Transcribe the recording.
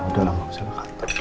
udah lah nggak usah ke kantor